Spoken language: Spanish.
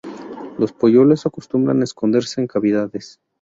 Los polluelos acostumbran esconderse en cavidades.